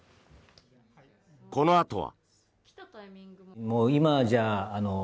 このあとは。